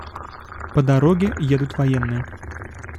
По дороге едут военные.